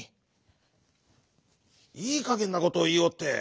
「いいかげんなことをいいおって。